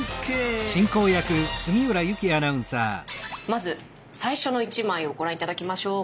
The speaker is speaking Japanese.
まず最初の一枚をご覧頂きましょう。